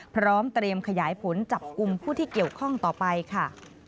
พร้อมเตรียมขยายผลจับกลุ่มผู้ที่เกี่ยวข้องต่อไปค่ะ